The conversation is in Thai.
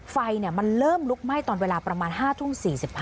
ไฟมันเริ่มลุกไหม้ตอนเวลาประมาณ๕ทุ่ม๔๕